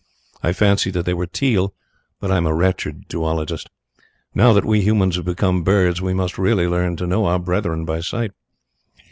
I fancy that they were teal, but I am a wretched zoologist. Now that we humans have become birds we must really learn to know our brethren by sight.